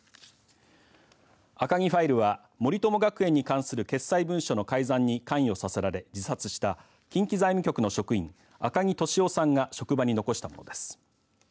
赤木ファイルは森友学園に関する決裁文書の改ざんに関与させれ自殺した近畿財務局の職員赤木俊夫さんが職場に残したものです。